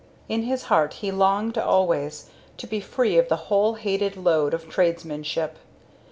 In his heart he longed always to be free of the whole hated load of tradesmanship.